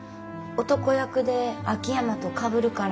男役で秋山とかぶるから。